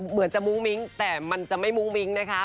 เหมือนจะมุ้งมิ้งแต่มันจะไม่มุ้งมิ้งนะคะ